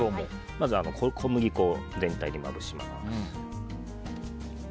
まず、小麦粉を全体にまぶします。